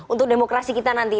untuk demokrasi kita nanti